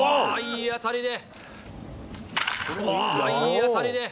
いい当たりで。